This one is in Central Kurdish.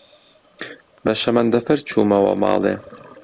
بە شەمەندەفەر چوومەوە ماڵێ.